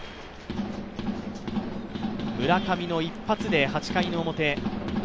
村上の一発で８回の表。